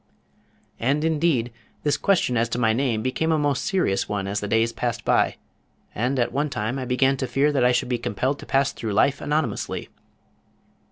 And indeed this question as to my name became a most serious one as the days passed by, and at one time I began to fear that I should be compelled to pass through life anonymously.